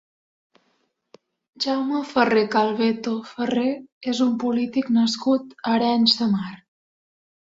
Jaume Ferrer-Calbeto Ferrer és un polític nascut a Arenys de Mar.